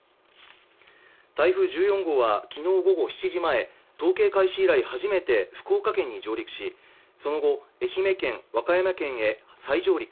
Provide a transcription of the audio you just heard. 台風１４号は昨日午後７時前、統計開始以来初めて福岡県に上陸し、その後、愛媛県、和歌山県へ再上陸。